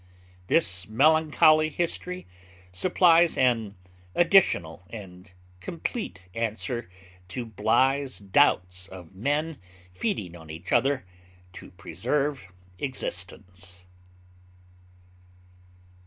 This melancholy history supplies an additional and complete answer to Bligh's doubts of men feeding on each other to preserve existence.